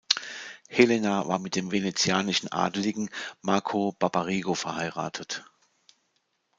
Helena war mit dem venezianischen Adligen Marco Barbarigo verheiratet.